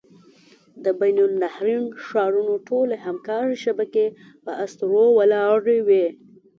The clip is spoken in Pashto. د بین النهرین ښارونو ټولې همکارۍ شبکې په اسطورو ولاړې وې.